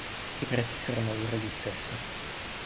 I prezzi saranno allora gli stessi.